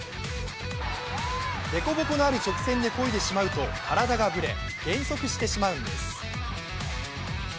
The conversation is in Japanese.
でこぼこのある直線でこいでしまうと体がぶれ減速してしまうんです。